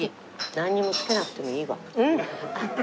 なんにも付けなくてもいいわ。